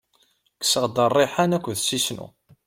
Kkseɣ-d rriḥan akked sisnu.